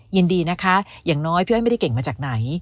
ยินดีนะคะอย่างน้อยพี่อ้อยไม่ได้เก่งมาจากไหน